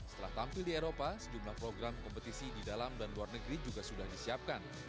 setelah tampil di eropa sejumlah program kompetisi di dalam dan luar negeri juga sudah disiapkan